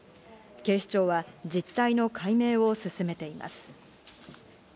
警視庁は実態の解明を進めています。